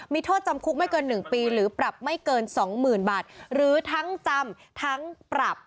มีโทษจำคุกไม่เกิน๑ปีหรือปรับไม่เกิน๒๐๐๐บาทหรือทั้งจำทั้งปรับ